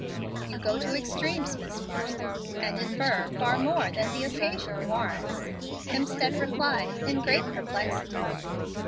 "You go to extremes, Miss Marsden, and infer far more than the occasion warrants," Hemstead replied, in great perplexity.